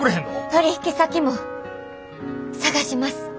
取引先も探します！